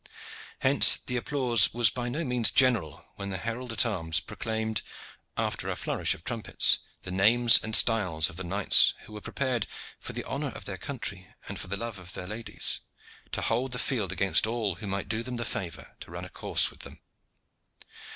Hence the applause was by no means general when the herald at arms proclaimed, after a flourish of trumpets, the names and styles of the knights who were prepared, for the honor of their country and for the love of their ladies, to hold the field against all who might do them the favor to run a course with them.